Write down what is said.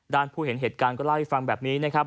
ผู้เห็นเหตุการณ์ก็เล่าให้ฟังแบบนี้นะครับ